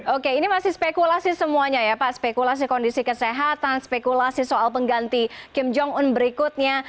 oke ini masih spekulasi semuanya ya pak spekulasi kondisi kesehatan spekulasi soal pengganti kim jong un berikutnya